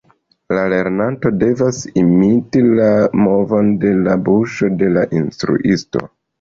La lernanto devas imiti la movon de la buŝo de la instruisto.